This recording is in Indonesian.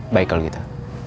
baik kalau gitu